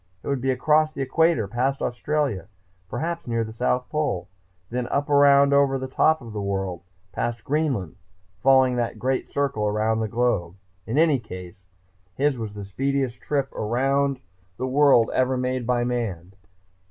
It would be across the equator, past Australia, perhaps near the South Pole, then up around over the top of the world past Greenland, following that great circle around the globe. In any case, his was the speediest trip around the world ever made by man!